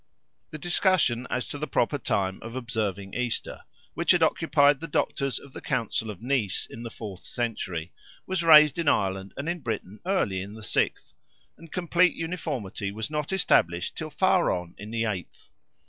The discussion, as to the proper time of observing Easter, which had occupied the doctors of the Council of Nice in the fourth century, was raised in Ireland and in Britain early in the sixth, and complete uniformity was not established till far on in the eighth.